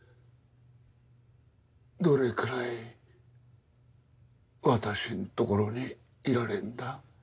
どれくらい私んところにいられるんだ？